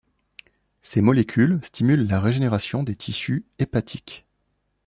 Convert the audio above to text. Ces molécules stimulent la régénération des tissus hépatiques.